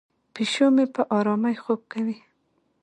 پیشو مې په آرامۍ خوب کوي.